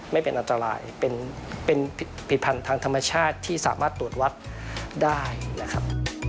ไม่เป็นอันตรายเป็นผิดพันธ์ทางธรรมชาติที่สามารถตรวจวัดได้นะครับ